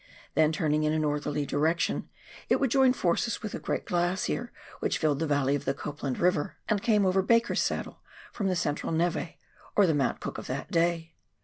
Then, turning in a northerly direction, it would join forces with the great glacier which filled the valley of the Copland Paver, and came KARANGARUA DISTRICT. 261 over Baker's Saddle from the central neve, or tlie Mount Cook of that day.